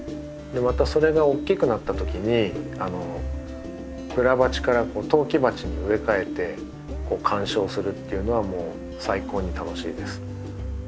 またそれが大きくなった時にプラ鉢から陶器鉢に植え替えて観賞するっていうのはもう最高に楽しいです。